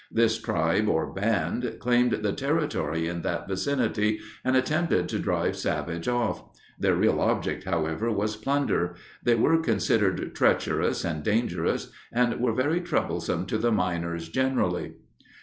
This tribe, or band, claimed the territory in that vicinity, and attempted to drive Savage off. Their real object, however, was plunder. They were considered treacherous and dangerous, and were very troublesome to the miners generally.